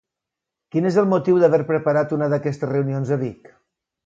Quin és el motiu d'haver preparat una d'aquestes reunions a Vic?